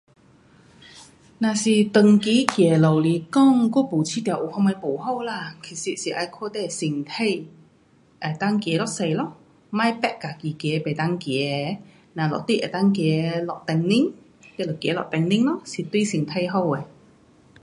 若是常期走路来讲我都没觉得有什么不好啦。其实是要看你的身体能够走多多咯。别逼自己走不能走的，若是你能够走一电钟，你就走一电钟，是对身体好的。